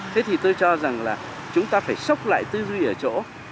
thế thì tôi cho rằng là chúng ta phải sốc lại tư duy ở chỗ